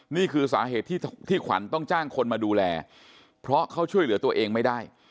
นี่คือสาเหตุที่ขวัญต้องจ้างคนมาดูแลเพราะเขาช่วยเหลือตัวเองไม่ได้